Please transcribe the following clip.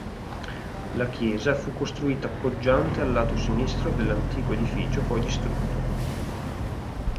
La chiesa fu costruita poggiante al lato sinistro dell'antico edificio poi distrutto.